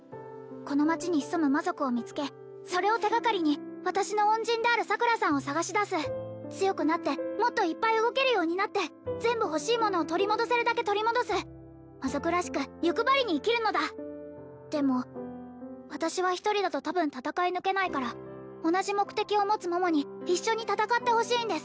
この町に潜む魔族を見つけそれを手掛かりに私の恩人である桜さんを捜し出す強くなってもっといっぱい動けるようになって全部欲しいものを取り戻せるだけ取り戻す魔族らしく欲張りに生きるのだでも私は一人だとたぶん戦い抜けないから同じ目的を持つ桃に一緒に戦ってほしいんです